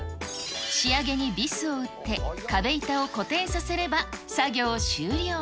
仕上げにビスを打って壁板を固定させれば、作業終了。